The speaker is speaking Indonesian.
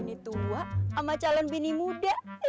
ini tua sama calon bini muda